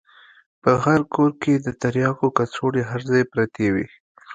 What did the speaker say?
په هر کور کښې د ترياکو کڅوړې هر ځاى پرتې وې.